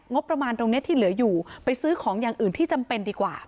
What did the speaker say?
ประมาณตรงนี้ที่เหลืออยู่ไปซื้อของอย่างอื่นที่จำเป็นดีกว่า